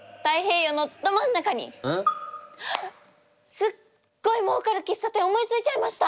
すっごいもうかる喫茶店思いついちゃいました！